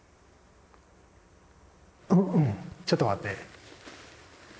ちょっと待って。